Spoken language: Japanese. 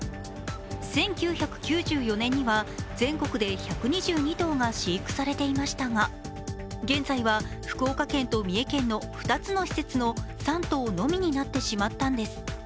１９９４年には全国で１２２頭が飼育されていましたが現在は福岡県と三重県の２つの施設の３頭のみになってしまったんです。